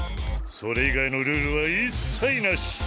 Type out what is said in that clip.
それ以外のルールは一切なし。